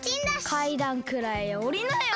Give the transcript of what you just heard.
かいだんくらいおりなよ。